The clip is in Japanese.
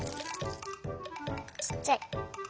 ちっちゃい。